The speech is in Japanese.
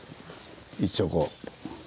一応こう。